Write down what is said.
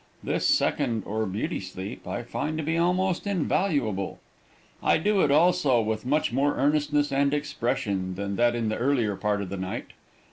This second, or beauty sleep, I find to be almost invaluable. I do it also with much more earnestness and expression than that in the earlier part of the night.